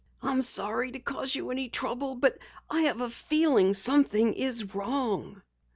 "I'm sorry to cause you any trouble, but I have a feeling something is wrong."